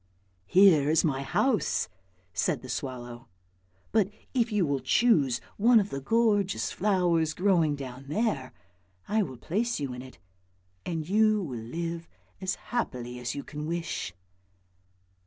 " Here is my house," said the swallow; " but if you will choose one of the gorgeous flowers growing down there, I will place you in it, and you will live as happily as you can wish."